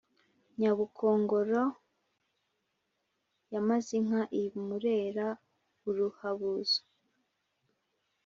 Nyabukongoro yamaze inka i Murera-Uruhabuzo.